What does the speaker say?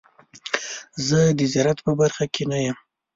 زه د زراعت په برخه کې نه یم.